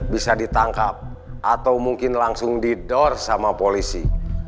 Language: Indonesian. bisa ditangkap atau mungkin langsung didor sama polisi